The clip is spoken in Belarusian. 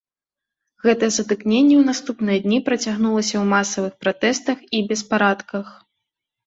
Гэта сутыкненне ў наступныя дні працягнулася ў масавых пратэстах і беспарадках.